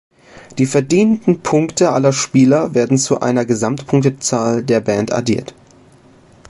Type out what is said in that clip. Die verdienten Punkte aller Spieler werden zu einer Gesamtpunktzahl der Band addiert.